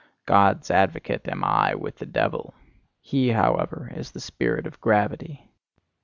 God's advocate am I with the devil: he, however, is the spirit of gravity.